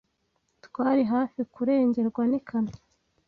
Twari hafi kurengerwa n'ikamyo.